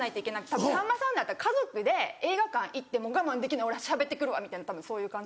たぶんさんまさんなんか家族で映画館行っても「我慢できないしゃべってくるわ」みたいなそういう感じ。